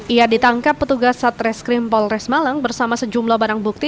ia ditangkap petugas satreskrim polres malang bersama sejumlah barang bukti